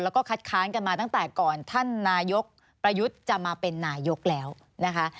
แล้วก็คัดค้านกันมาตั้งแต่ก่อนท่านนายกประยุทธ์จะมาเป็นนายกแล้วนะคะ